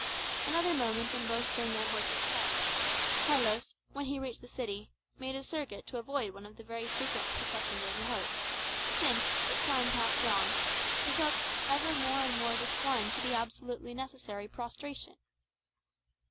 Another moment, and both had turned their horses' heads. Carlos, when he reached the city, made a circuit to avoid one of the very frequent processions of the Host; since, as time passed on, he felt ever more and more disinclined to the absolutely necessary prostration.